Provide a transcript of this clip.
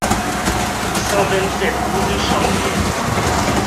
cent vingt-sept rue de Charrière